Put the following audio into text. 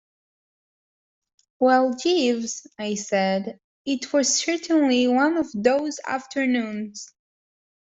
"Well, Jeeves," I said, "it was certainly one of those afternoons."